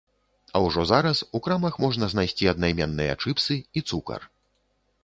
А ўжо зараз у крамах можна знайсці аднайменныя чыпсы і цукар.